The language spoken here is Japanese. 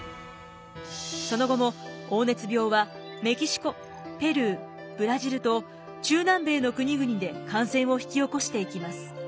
その後も黄熱病はメキシコペルーブラジルと中南米の国々で感染を引き起こしていきます。